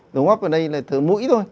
đường hốp ở đây là từ mũi thôi